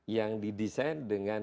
yang didesain dengan